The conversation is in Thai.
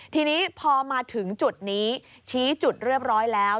ทีนี้พอมาถึงจุดนี้ชี้จุดเรียบร้อยแล้ว